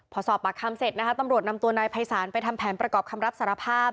พอสอบปากคำเสร็จนะคะตำรวจนำตัวนายภัยศาลไปทำแผนประกอบคำรับสารภาพ